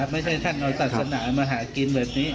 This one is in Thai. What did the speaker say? ไม่ใช่ท่านเอาศาสนามาหากินแบบนี้